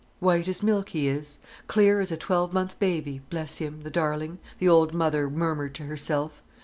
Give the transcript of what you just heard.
"White as milk he is, clear as a twelve month baby, bless him, the darling!" the old mother murmured to herself.